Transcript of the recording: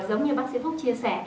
giống như bác sĩ phúc chia sẻ